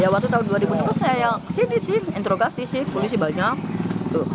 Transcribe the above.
ya waktu tahun dua ribu itu saya kesini sih interogasi sih polisi banyak